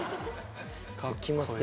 行きますよ。